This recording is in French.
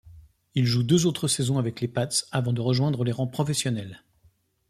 Il joue deux autres saisons avec les Pats avant de rejoindre les rangs professionnels.